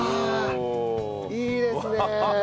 いいですね！